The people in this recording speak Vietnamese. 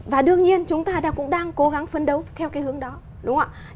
và đương nhiên chúng ta cũng đang cố gắng phấn đấu theo cái hướng đó đúng không ạ